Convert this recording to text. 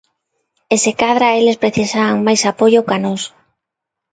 E se cadra eles precisaban máis apoio ca nós.